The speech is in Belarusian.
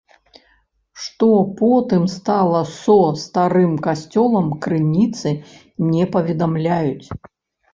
Што потым стала со старым касцёлам, крыніцы не паведамляюць.